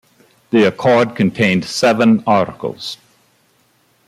The accord contained seven articles.